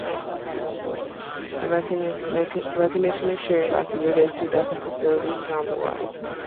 The recognition is shared by fewer than two dozen facilities around the world.